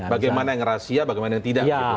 bagaimana yang rahasia bagaimana yang tidak